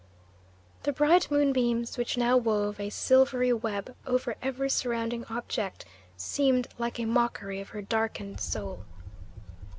The bright moonbeams, which now wove a silvery web over every surrounding object, seemed like a mockery of her darkened soul.